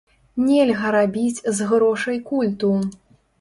Нельга рабіць з грошай культу.